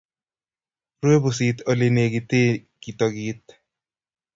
Rue pusit ole negitee kitokit